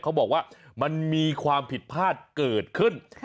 เขาบอกว่ามันมีความผิดพลาดเกิดขึ้น